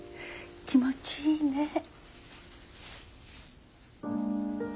気持ちいいね。